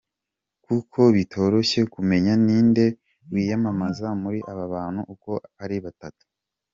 Kuko bitoroshye kumenya ni inde wiyamamaza muri aba bantu uko ari batatu.